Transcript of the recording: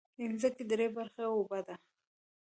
مځکه درې برخې اوبه لري.